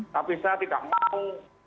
tapi saya tidak mau